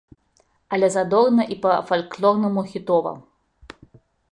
Але задорна і па-фальклорнаму хітова!